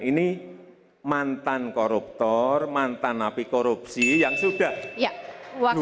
ini mantan koruptor mantan api korupsi yang sudah